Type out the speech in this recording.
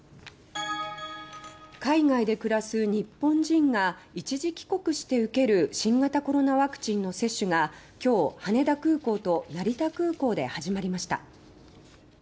海外で暮らす日本人が一時帰国して受ける新型コロナワクチンの接種がきょう、羽田空港と成田空港で始まりました。